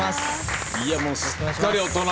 もうすっかり大人。